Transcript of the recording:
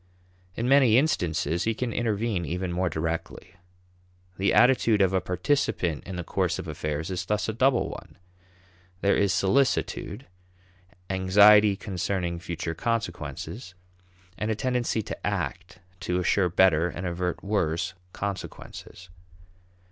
In many instances, he can intervene even more directly. The attitude of a participant in the course of affairs is thus a double one: there is solicitude, anxiety concerning future consequences, and a tendency to act to assure better, and avert worse, consequences.